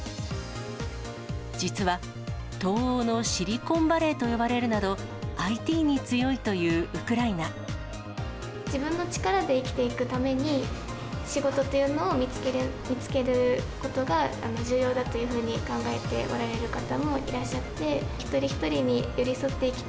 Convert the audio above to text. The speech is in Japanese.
実は、東欧のシリコンバレーと呼ばれるなど、ＩＴに強いというウクライ自分の力で生きていくために、仕事というのを見つけることが、重要だというふうに考えておられる方もいらっしゃって。